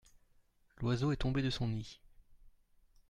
L’oiseau est tombé de son nid.